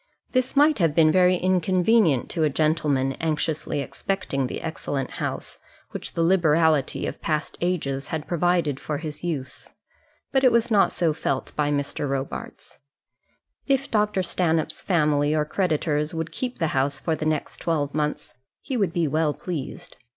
This might have been very inconvenient to a gentleman anxiously expecting the excellent house which the liberality of past ages had provided for his use; but it was not so felt by Mr. Robarts. If Dr. Stanhope's family or creditors would keep the house for the next twelve months, he would be well pleased.